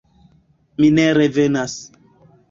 Mi ne revenas.